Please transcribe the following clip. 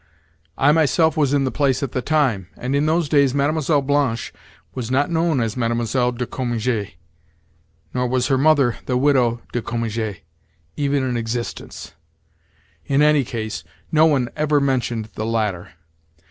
I myself was in the place at the time, and in those days Mlle. Blanche was not known as Mlle. de Cominges, nor was her mother, the Widow de Cominges, even in existence. In any case no one ever mentioned the latter.